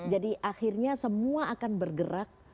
jadi akhirnya semua akan bergerak